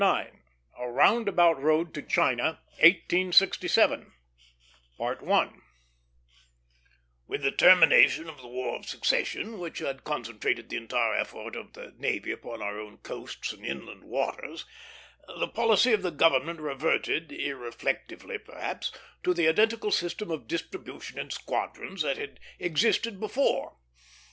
IX A ROUNDABOUT ROAD TO CHINA 1867 With the termination of the War of Secession, which had concentrated the entire effort of the navy upon our own coasts and inland waters, the policy of the government reverted, irreflectively perhaps, to the identical system of distribution in squadrons that had existed before.